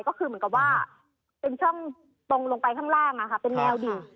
ก็คือเหมือนกับว่าเป็นช่องตรงลงไปข้างล่างเป็นแนวดิ่ง